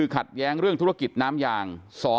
ขัดแย้งเรื่องธุรกิจน้ำยาง